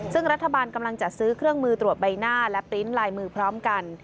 ซึ่งรัฐบาลกำลังจัดซื้อเครื่องมือตรวจใบหน้าและปริ้นต์ลายมือพร้อมกัน